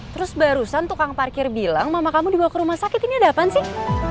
terus barusan tukang parkir bilang mama kamu dibawa ke rumah sakit ini ada apaan sih